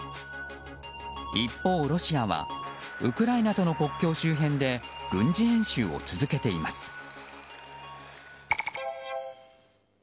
一方、ロシアはウクライナとの国境周辺で軍事演習を続けています。